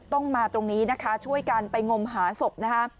ต้องมาตรงนี้ช่วยกันไปงมหาศพ